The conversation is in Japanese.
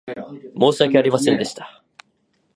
申し訳ありませんでした。